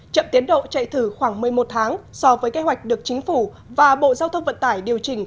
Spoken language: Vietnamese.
chậm tiến độ chạy thử khoảng một mươi một tháng so với kế hoạch được chính phủ và bộ giao thông vận tải điều chỉnh